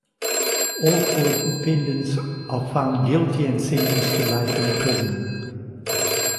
All four defendants are found guilty and sentenced to life in prison.